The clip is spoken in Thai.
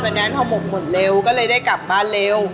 นั้นพอผมหมดเร็วก็เลยได้กลับบ้านเร็ว